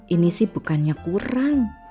ini sih bukannya kurang